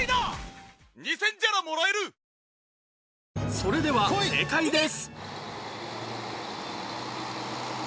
それでは正解です